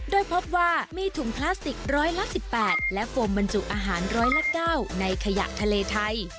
โดยเพราะว่ามีถุงพลาสติก๑๑๘และฟอร์มบรรจุอาหาร๑๐๙ในขยะทะเลไทย